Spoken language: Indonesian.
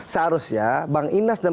seharusnya bang inas dan